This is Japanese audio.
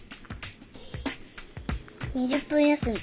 ２０分休み。